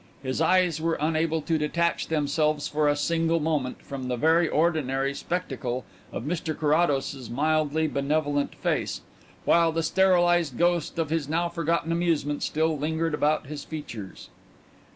His eyes were unable to detach themselves for a single moment from the very ordinary spectacle of Mr Carrados's mildly benevolent face, while the sterilized ghost of his now forgotten amusement still lingered about his features.